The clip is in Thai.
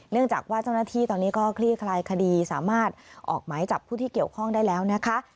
จากว่าเจ้าหน้าที่ตอนนี้ก็คลี่คลายคดีสามารถออกหมายจับผู้ที่เกี่ยวข้องได้แล้วนะคะ